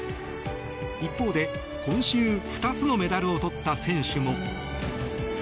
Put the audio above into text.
一方で、今週２つのメダルをとった選手も。